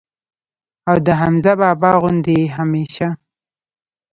او د حمزه بابا غوندي ئې هميشه